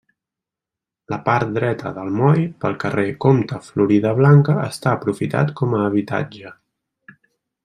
La part dreta del moll pel carrer Comte Floridablanca està aprofitat com a habitatge.